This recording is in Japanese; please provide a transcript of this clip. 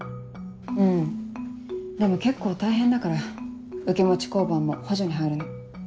うんでも結構大変だから受け持ち交番も補助に入るの。